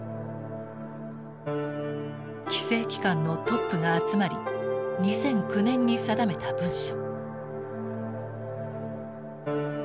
規制機関のトップが集まり２００９年に定めた文書。